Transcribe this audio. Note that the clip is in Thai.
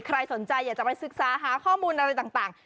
ใครสนใจอยากจะไปศึกษาหาข้อมูลอะไรต่าง